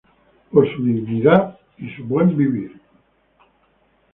Por su dignidad y su buen vivir.